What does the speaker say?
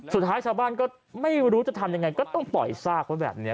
สุดท้ายชาวบ้านก็ไม่รู้จะทำยังไงก็ต้องปล่อยซากไว้แบบนี้